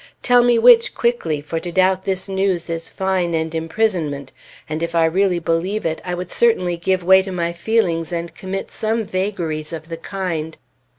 Tell me which, quickly; for to doubt this news is fine and imprisonment, and if I really believe it I would certainly give way to my feelings and commit some vagaries of the kind.